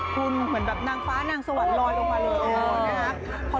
คุณเหมือนแบบนางฟ้านางสวรรค์ลอยลงมาเลยนะครับ